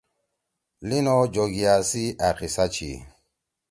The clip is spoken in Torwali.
لین او جوگِیا سی أ قضہ چھی۔